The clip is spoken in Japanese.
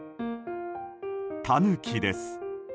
タヌキです。